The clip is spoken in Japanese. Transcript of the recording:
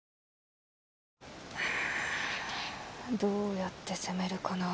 どうやって攻めるかな。